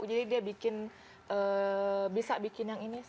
jadi dia bikin bisa bikin yang ini sih